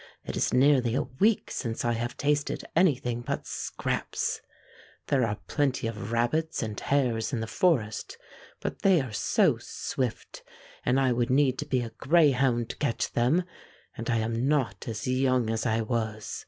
"It is nearly a week since I have tasted anything but scraps. There are plenty of rabbits and hares in the forest, but they are so swift I would need to be a greyhound to catch them, and I am not as young as I was.